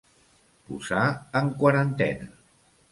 Posar en quarantena.